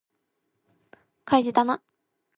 開示だな